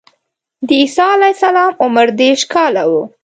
د عیسی علیه السلام عمر دېرش کاله و.